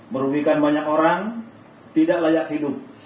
merugikan banyak orang tidak layak hidup